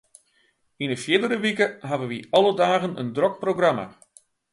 Yn 'e fierdere wike hawwe wy alle dagen in drok programma.